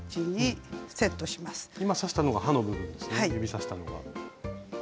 今指したのが刃の部分ですね指さしたのが。